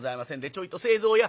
「ちょいと清蔵や。